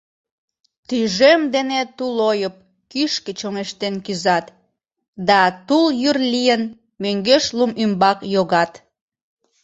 Тӱжем дене тулойып кӱшкӧ чоҥештен кӱзат да, тул йӱр лийын, мӧҥгеш лум ӱмбак йогат.